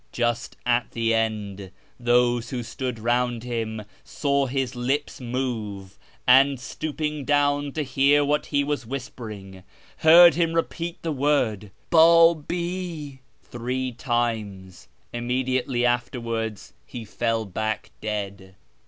Just at the end, those who stood round him saw his lips move, and, stooping down to hear what he was whispering, heard him repeat the word ' Babi ' three times. Immediately afterwards he fell back dead.